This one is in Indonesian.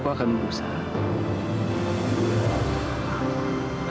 aku akan berusaha